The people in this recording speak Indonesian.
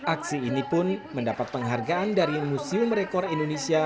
aksi ini pun mendapat penghargaan dari museum rekor indonesia